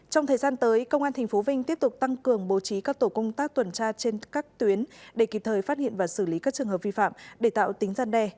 trong thời gian tới công an tp vinh tiếp tục tăng cường bố trí các tổ công tác tuần tra trên các tuyến để kịp thời phát hiện và xử lý các trường hợp vi phạm để tạo tính gian đe